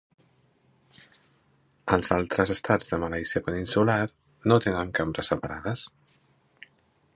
Els altres estats de Malàisia Peninsular no tenen cambres separades.